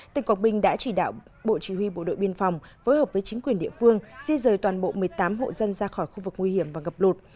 tỉnh quảng bình đã chỉ đạo bộ chỉ huy bộ đội biên phòng phối hợp với chính quyền địa phương di rời toàn bộ một mươi tám hộ dân ra khỏi khu vực nguy hiểm và ngập lụt